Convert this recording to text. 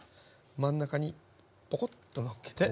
真ん中にポコッとのっけて。